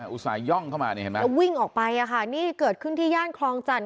อุตส่าหย่องเข้ามานี่เห็นไหมแล้ววิ่งออกไปอ่ะค่ะนี่เกิดขึ้นที่ย่านคลองจันท